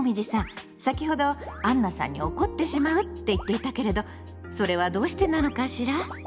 先ほど「あんなさんに怒ってしまう」って言っていたけれどそれはどうしてなのかしら？